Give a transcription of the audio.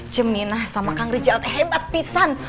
ceminah sama kang rijal hebat pisan